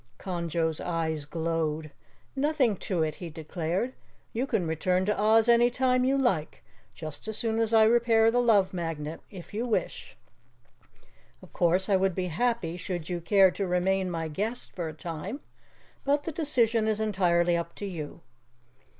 Conjo's eyes glowed. "Nothing to it!" he declared. "You can return to Oz anytime you like just as soon as I repair the Love Magnet, if you wish. Of course I would be happy should you care to remain my guest for a time, but the decision is entirely up to you."